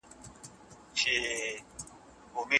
ریښې مو قوي کړئ.